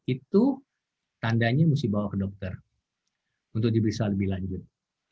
itu tandanya mesti bawa ke dokter untuk diperiksa lebih lanjut